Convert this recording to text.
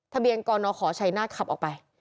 ทะเบียงก่อนขอใช้หน้าขับออกไป